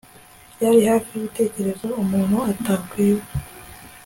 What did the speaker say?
byari hafi yigitekerezo umuntu atakwiba